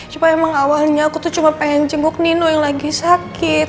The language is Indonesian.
cuma emang awalnya aku tuh cuma pengen jenguk nino yang lagi sakit